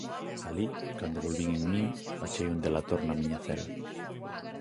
Alí, cando volvín en min, achei un delator na miña cela.